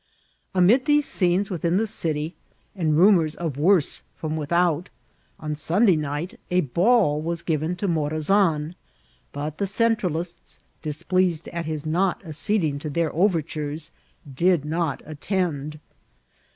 Amid these scenes within the city, and rumours of wcnrse from without, on Sunday night a ball was given to Morazan ; but the Centralists, displeased at his not acceding to their overtures, did not attend.